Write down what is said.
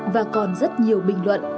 và còn rất nhiều bình luận